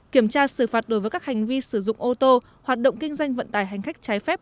kiểm tra xử phạt đối với các hành vi sử dụng ô tô hoạt động kinh doanh vận tải hành khách trái phép